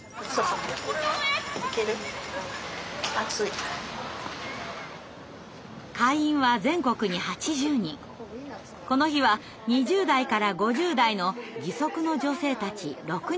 この日は２０代から５０代の義足の女性たち６人が参加しました。